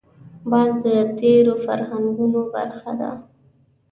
باز د تېرو فرهنګونو برخه ده